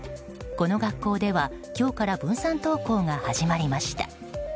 この学校では、今日から分散登校が始まりました。